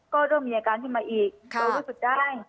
ก็เริ่มมีอาการขึ้นมาอีกโดยรู้สึกได้